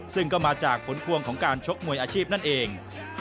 ซึ่งก็มาจากผลพวงของการชกมวยอาชีพนั่นเอง